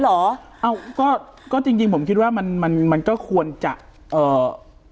ทุกงวดตั้งงวดอันหมดสองไว้ก็ต้องทำอย่างนั้นเลยเหรอ